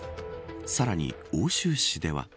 さらに奥州市では。